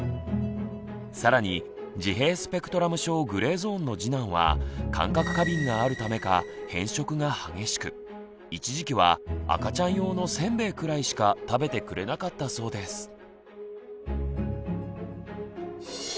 更に自閉スペクトラム症グレーゾーンの次男は感覚過敏があるためか偏食が激しく一時期は赤ちゃん用のせんべいくらいしか食べてくれなかったそうです。